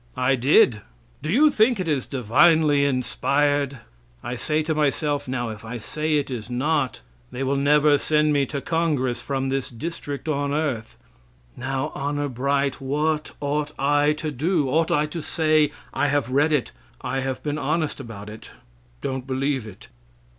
"I did." "Do you think it is divinely inspired?" I say to myself, "Now if I say it is not, they will never send me to Congress from this district on earth." Now, honor bright, what ought I to do? Ought I to say, "I have read it. I have been honest about it; don't believe it?"